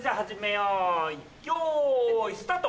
よいスタート！